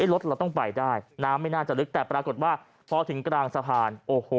รถเราต้องไปได้น้ำไม่น่าจะลึกแต่ปรากฏว่าพอถึงกลางสะพานโอ้โห